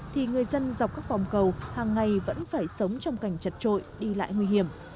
thì người dân dọc các vòng cầu hàng ngày vẫn phải sống trong cảnh chật trội đi lại nguy hiểm